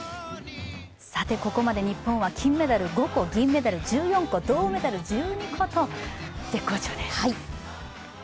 さてここまで日本は金メダル５個銀メダル１４個、銅メダル１２個と、絶好調です。